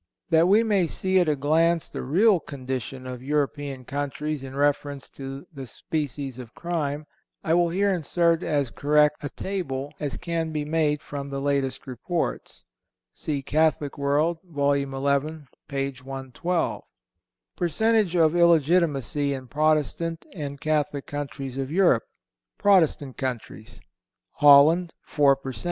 That we may see at a glance the real condition of European countries in reference to this species of crime, I will here insert as correct a table as can be made from the latest reports. (Vid. Catholic World, Vol. XI., p. 112.) Percentage Of Illegitimacy In Protestant And Catholic Countries Of Europe. Protestant. Per cent. Holland 4.0 Switzerland 5.5 Prussia (Protestant) 10.